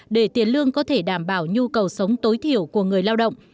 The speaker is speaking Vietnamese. để tiền lương có thể đảm bảo nhu cầu sống tối thiểu của người lao động